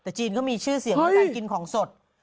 แต่จีนเขามีชื่อเสียงว่าการกินของสด